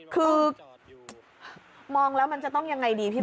คือมองแล้วมันจะต้องอย่างไรดีพี่โมง